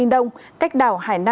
một trăm một mươi hai độ tây